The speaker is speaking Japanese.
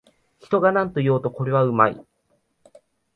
人がなんと言おうと、これはうまい